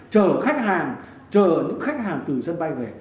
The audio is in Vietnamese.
chở khách hàng chờ những khách hàng từ sân bay về